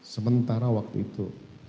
sementara waktu itu